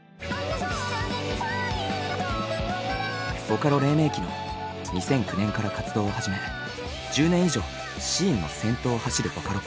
ボカロ黎明期の２００９年から活動を始め１０年以上シーンの先頭を走るボカロＰＮｅｒｕ。